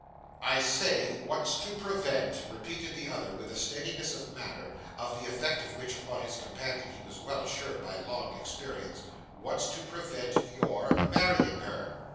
'I say, what's to prevent,' repeated the other with a steadiness of manner, of the effect of which upon his companion he was well assured by long experience, 'what's to prevent your marrying her?